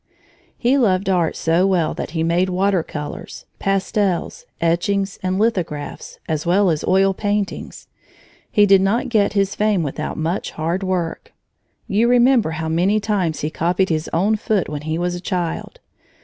He loved art so well that he made water colors, pastels, etchings, and lithographs, as well as oil paintings. He did not get his fame without much hard work. You remember how many times he copied his own foot when he was a child.